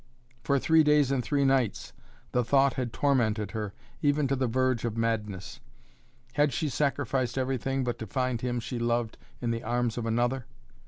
For three days and three nights the thought had tormented her even to the verge of madness. Had she sacrificed everything but to find him she loved in the arms of another?